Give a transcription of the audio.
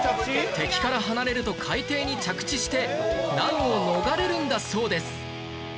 敵から離れると海底に着地して難を逃れるんだそうです